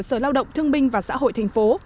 sở lao động thương binh và xã hội thành phố